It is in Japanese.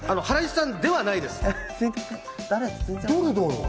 ハライチさんではないです。